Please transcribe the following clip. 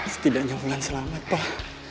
setidaknya ulan selamat pak